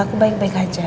aku baik baik aja